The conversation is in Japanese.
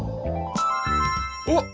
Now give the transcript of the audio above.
おっ！